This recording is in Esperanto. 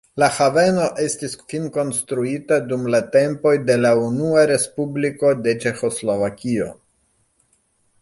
La haveno estis finkonstruita dum la tempoj de la Unua respubliko de Ĉeĥoslovakio.